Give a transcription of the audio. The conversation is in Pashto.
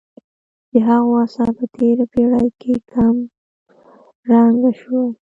د هغو اثر په تېره پېړۍ کې کم رنګه شوی.